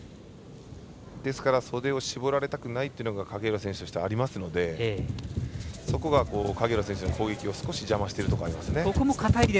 ですから袖を絞られたくないというのが影浦選手としてありますのでそこが影浦選手の攻撃を少し邪魔しているところがあります。